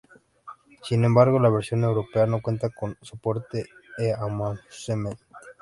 Sin embargo, la versión europea no cuenta con soporte e-Amusement.